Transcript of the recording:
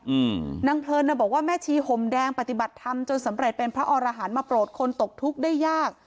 อืมนางเพลินน่ะบอกว่าแม่ชีห่มแดงปฏิบัติธรรมจนสำเร็จเป็นพระอรหารมาโปรดคนตกทุกข์ได้ยาก